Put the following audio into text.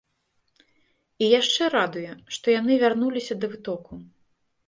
І яшчэ радуе, што яны вярнуліся да вытокаў.